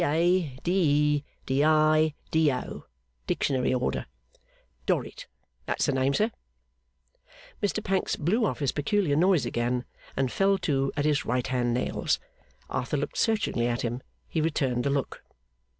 DA, DE, DI, DO. Dictionary order. Dorrit. That's the name, sir?' Mr Pancks blew off his peculiar noise again, and fell to at his right hand nails. Arthur looked searchingly at him; he returned the look.